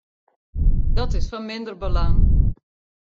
Dat is fan minder belang.